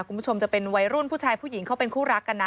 คุณผู้ชมจะเป็นวัยรุ่นผู้ชายผู้หญิงเขาเป็นคู่รักกันนะ